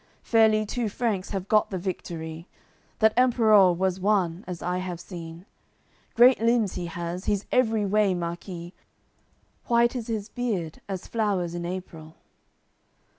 Fairly two Franks have got the victory; That Emperour was one, as I have seen; Great limbs he has, he's every way Marquis, White is his beard as flowers in April."